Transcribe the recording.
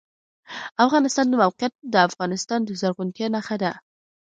د افغانستان د موقعیت د افغانستان د زرغونتیا نښه ده.